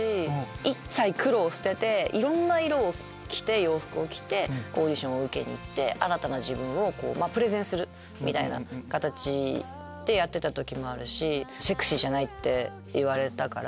一切黒を捨てていろんな色を着て洋服を着てオーディションを受けに行って新たな自分をプレゼンするみたいな形でやってた時もあるしセクシーじゃないって言われたから。